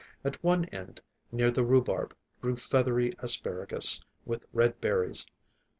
At one end, next the rhubarb, grew feathery asparagus, with red berries.